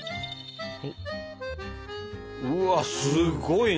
うわっすごいね。